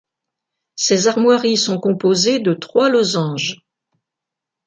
Ses armoiries sont composées de trois losanges.